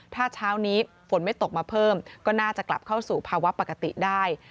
ถ้าเช้านี้ฝนไม่ตกมาเพิ่มก็น่าจะกลับเข้าสู่ภาวะปกติได้